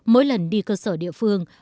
mỗi lần đi cơ sở địa phương